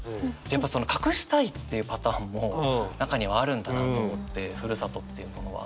やっぱ隠したいっていうパターンも中にはあるんだなと思ってふるさとっていうものは。